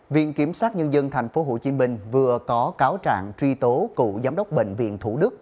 viện kiểm sát nhân dân tp hcm vừa có cáo trạng truy tố cựu giám đốc bệnh viện thủ đức